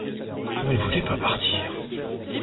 Vous ne voulez pas partir.